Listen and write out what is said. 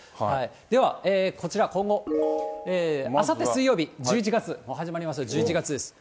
ではこちら、今後、あさって水曜日、１１月、もう始まります、１１月です。